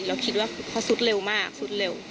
เราคิดว่าเขาซุดเร็วมากสุดเร็ว